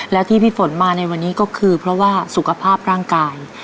แล้วที่พี่ฝนมาในวันนี้ก็คือเพราะว่าสุขภาพร่างกาย